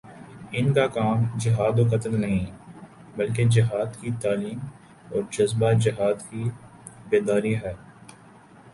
ان کا کام جہاد و قتال نہیں، بلکہ جہادکی تعلیم اور جذبۂ جہاد کی بیداری ہے